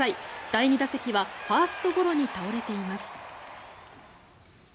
第２打席はファーストゴロに倒れています。